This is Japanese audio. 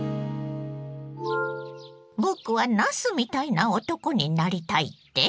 僕は「なすみたいな男」になりたいって？